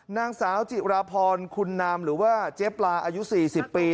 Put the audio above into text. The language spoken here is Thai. นางสาวจิราพรคุณนามหรือว่าเจ๊ปลาอายุ๔๐ปี